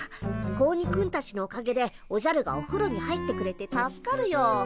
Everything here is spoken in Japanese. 子鬼くんたちのおかげでおじゃるがおふろに入ってくれて助かるよ。